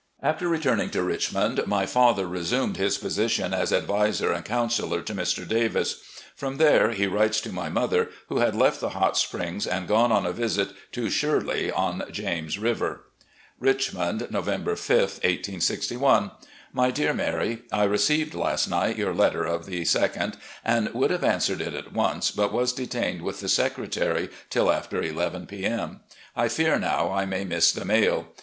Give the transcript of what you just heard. After returning to Richmond, my father resumed his position as adviser and counsellor to Mr. Davis. From there he writes to my mother, who had left the Hot Springs and gone on a visit to "Shirley," on James River: "Richmond, November 5, 1861. " My Dear Mary: I received last night your letter of the 2d, and would have answered it at once, but was detained with the Secretary till after 1 1 p. m. I fear now I may miss the mail.